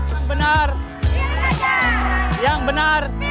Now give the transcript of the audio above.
yang benar pilih saja